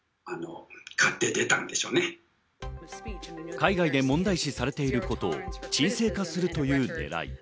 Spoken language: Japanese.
海外で問題視されていることを沈静化するという狙い。